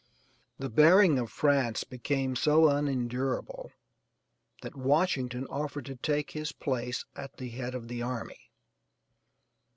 The bearing of France became so unendurable that Washington offered to take his place at the head of the army.